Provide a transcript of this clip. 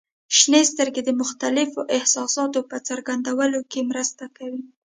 • شنې سترګې د مختلفو احساساتو په څرګندولو کې مرسته کوي.